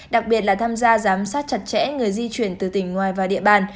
đặc biệt là tham gia giám sát chặt chẽ người di chuyển từ tỉnh ngoài và địa bàn